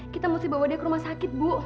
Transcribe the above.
kita mesti bawa dia ke rumah sakit bu